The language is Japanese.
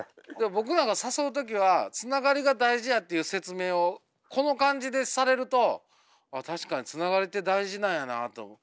僕なんか誘う時はつながりが大事やっていう説明をこの感じでされるとあっ確かにつながりって大事なんやなと。